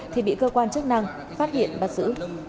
thì bị cơ quan chức năng phát hiện bắt giữ